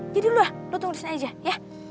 jadi dulu lah lo tunggu di sini aja ya